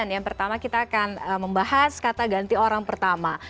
yang pertama kita akan membahas kata ganti orang pertama